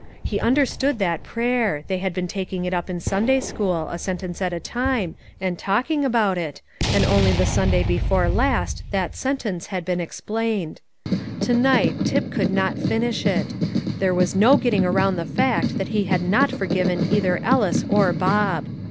He understood that prayer; they had been taking it up in Sunday school, a sentence at a time, and talking about it, and only the Sunday before last that sentence had been explained. To night Tip could not finish it; there was no getting around the fact that he had not forgiven either Ellis or Bob.